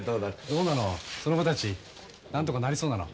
どうなのその子たちなんとかなりそうなの？